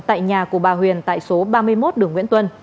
tại nhà của bà huyền tại số ba mươi một đường nguyễn tuân